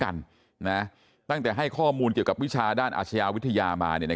ตั้งแต่ให้ข้อมูลเกี่ยวกับวิชาด้านอาชญาวิทยามา